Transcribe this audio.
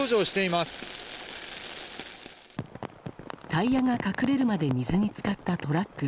タイヤが隠れるまで水に浸かったトラック。